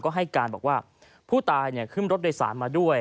ก็ให้การบอกว่าผู้ตายขึ้นรถโดยสารมาด้วย